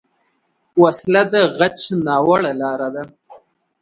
وسله د غچ ناوړه لاره ده